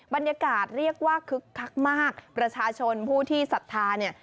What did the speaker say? บรรยากาศเรียกว่าคึกคักมากประชาชนผู้ที่ศรัทธาเนี่ย